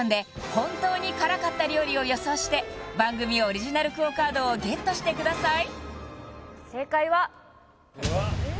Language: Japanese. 本当に辛かった料理を予想して番組オリジナルＱＵＯカードをＧＥＴしてください